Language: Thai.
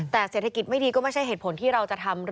แต่เศรษฐกิจไม่ดีก็ไม่ใช่เหตุผลที่เราจะทำเรื่องไม่ดี